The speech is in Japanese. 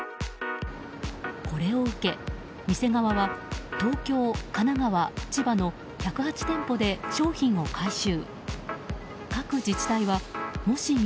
これを受け、店側は東京、神奈川、千葉の１０８店舗で商品を回収。